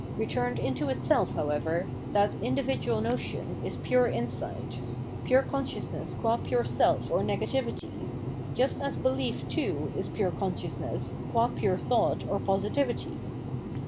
Eeturned into itself, however, that (individual) notion is pure insight — pure consciousness gw pure self or 590 Phenomenology of Mind negativity, just as belief, too, is pure consciousness, qua pure tbougbt or positivity.